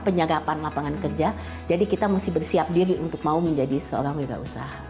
penyegapan lapangan kerja jadi kita mesti bersiap diri untuk mau menjadi seorang berusaha